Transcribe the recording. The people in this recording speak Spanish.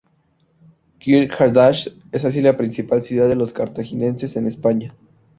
Qart Hadasht es así la principal ciudad de los cartagineses en España.